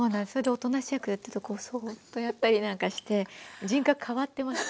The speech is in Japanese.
おとなしい役やってるとこうそっとやったりなんかして人格変わってます。